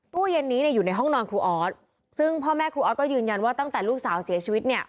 ตู้เย็นนี้เนี่ยอยู่ในห้องนอนครูออสซึ่งพ่อแม่ครูออสก็ยืนยันว่าตั้งแต่ลูกสาวเสียชีวิตเนี่ย